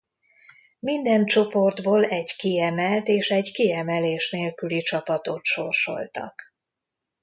Minden csoportból egy kiemelt és egy kiemelés nélküli csapatot sorsoltak.